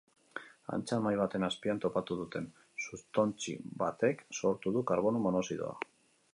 Antza, mahai baten azpian topatu duten sutontzi batek sortu du karbono monoxidoa.